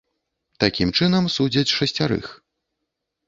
Такім чынам, судзяць шасцярых.